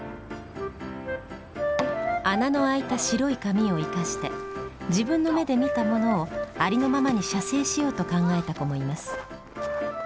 穴のあいた白い紙を生かして自分の目で見たものをありのままに写生しようと考えた子もいます。